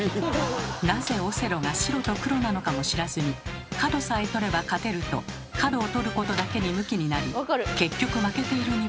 なぜオセロが白と黒なのかも知らずに角さえ取れば勝てると角を取ることだけにムキになり結局負けている日本人のなんと多いことか。